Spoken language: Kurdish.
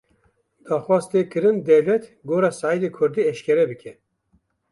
Daxwaz tê kirin dewlet gora Seîdê kurdî eşkere bike.